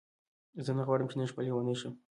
زه نه غواړم چې نن شپه لیونۍ شې.